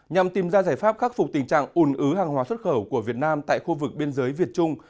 nhằm tìm ra giải pháp khắc phục tình trạng ùn ứ hàng hóa xuất khẩu của việt nam tại khu vực biên giới việt trung